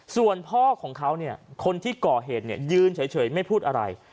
ส่วนพ่อของเขาเนี่ยคนที่ก่อเหตุยืนเฉยไม่พูดอะไร